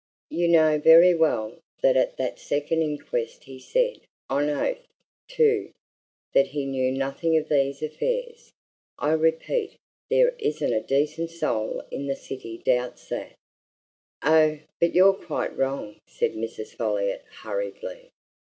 You know very well that at that second inquest he said on oath, too that he knew nothing of these affairs. I repeat, there isn't a decent soul in the city doubts that!" "Oh, but you're quite wrong!" said Mrs. Folliot, hurriedly.